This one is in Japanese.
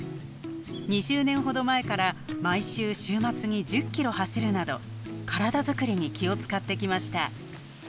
２０年ほど前から毎週週末に１０キロ走るなど体づくりに気を遣ってきました。